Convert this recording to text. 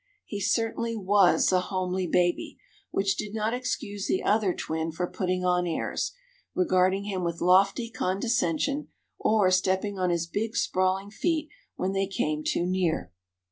He certainly was a homely baby which did not excuse the other twin for putting on airs, regarding him with lofty condescension, or stepping on his big, sprawling feet when they came too near.